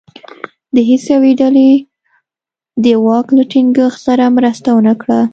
د هېڅ یوې ډلې دواک له ټینګښت سره مرسته ونه کړه.